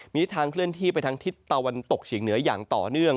มีทางเคลื่อนที่ไปทางทิศตะวันตกเฉียงเหนืออย่างต่อเนื่อง